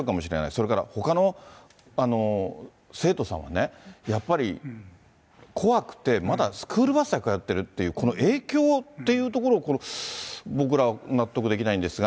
それからほかの生徒さんはね、やっぱり怖くて、まだスクールバスで通ってるっていう、この影響っていうところを、僕ら、納得できないんですが。